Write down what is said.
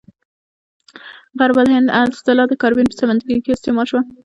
غرب الهند اصطلاح د کاربین په سمندرګي کې استعمال شوه.